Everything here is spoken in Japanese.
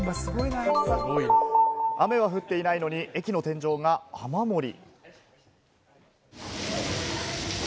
雨は降っていないのに、駅の天井が雨漏り。